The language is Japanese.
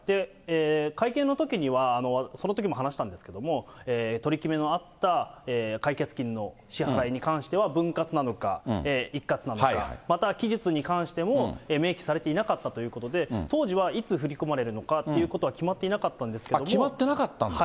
会見のときには、そのときも話したんですけれども、取り決めのあった解決金の支払いに関しては、分割なのか、一括なのか、また期日に関しても明記されていなかったということで、当時はいつ振り込まれるのかということは決まっていなかったんで決まってなかったんだ。